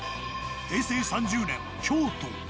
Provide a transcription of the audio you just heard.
平成３０年、京都。